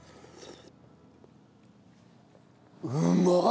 うまっ！